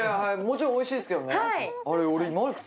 もちろんおいしいですけどね。